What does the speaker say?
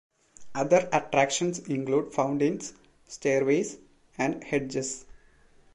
Other attractions include fountains, stairways, and hedges.